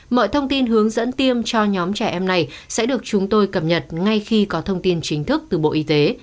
mọi thông tin hướng dẫn tiêm cho nhóm trẻ em này sẽ được chúng tôi cập nhật ngay khi có thông tin chính thức từ bộ y tế